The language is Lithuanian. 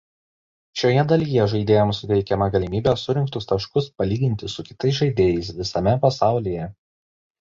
Šioje dalyje žaidėjams suteikiama galimybė surinktus taškus palyginti su kitais žaidėjais visame pasaulyje.